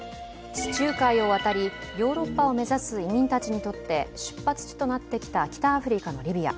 地中海を渡りヨーロッパを目指す移民たちにとって出発地となってきた北アフリカのリビア。